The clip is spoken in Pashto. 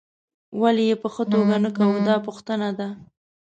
ولې یې په ښه توګه نه کوو دا پوښتنه ده.